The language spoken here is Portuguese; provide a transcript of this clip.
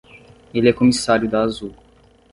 Ele é comissário da Azul.